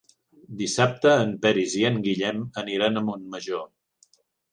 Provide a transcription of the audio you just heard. Dissabte en Peris i en Guillem aniran a Montmajor.